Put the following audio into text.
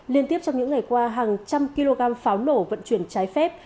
liên tiếp trong những ngày qua hàng trăm kg pháo nổ vận chuyển trái phép